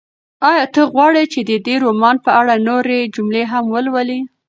ایا ته غواړې چې د دې رومان په اړه نورې جملې هم ولولې؟